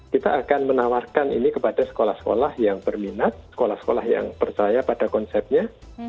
kita akan menawarkan ini kepada sekolah sekolah yang berminat sekolah sekolah yang percaya pada konsepnya